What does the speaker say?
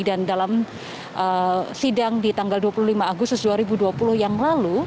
dan dalam sidang di tanggal dua puluh lima agustus dua ribu dua puluh yang lalu